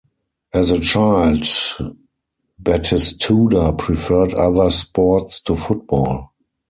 As a child, Batistuta preferred other sports to football.